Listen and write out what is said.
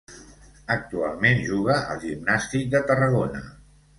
Actualment juga al Gimnàstic de Tarragona.